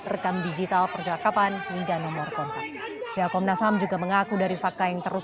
rekam digital percakapan hingga nomor kontak ya komnas ham juga mengaku dari fakta yang terus